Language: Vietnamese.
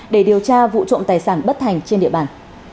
để điều tra vụ trộm tài sản bất thành trên địa bàn